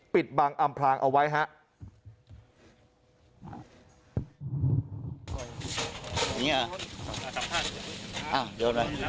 ปิดบังอำพลางเอาไว้ครับ